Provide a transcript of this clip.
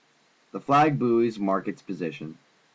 The flag buoys mark its position.